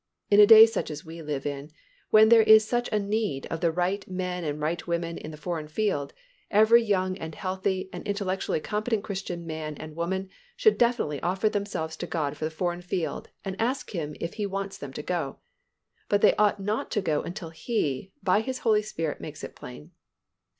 In a day such as we live in, when there is such a need of the right men and the right women on the foreign field, every young and healthy and intellectually competent Christian man and woman should definitely offer themselves to God for the foreign field and ask Him if He wants them to go. But they ought not to go until He, by His Holy Spirit, makes it plain.